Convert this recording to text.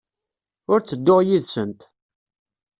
Ur ttedduɣ yid-sent.